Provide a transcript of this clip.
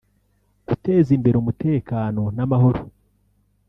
guteza imbere umutekano n’amahoro